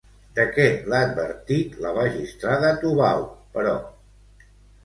De què l'ha advertit la magistrada Tubau, però?